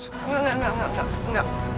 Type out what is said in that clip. enggak enggak enggak